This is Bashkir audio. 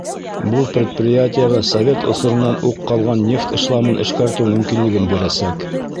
Был предприятиеға совет осоронан уҡ ҡалған нефть шламын эшкәртеү мөмкинлеген бирәсәк.